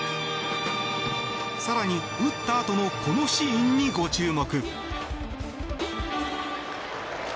更に、打ったあとのこのシーンにご注目。